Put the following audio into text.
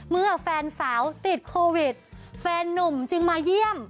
เมื่อแฟนสาวติดโควิดแฟนนุ่มจึงมาเยี่ยม